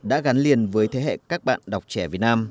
đã gắn liền với thế hệ các bạn đọc trẻ việt nam